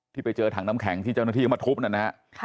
ที่ไปเจอถังน้ำแข็งที่เจ้าหน้าที่เอามาทุบนะฮะ